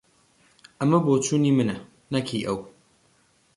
ئەمە بۆچوونی منە، نەک هی ئەو.